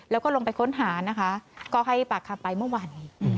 แล้วก็ลงไปค้นหานะคะก็ให้ปากคำไปเมื่อวาน